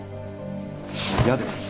嫌です。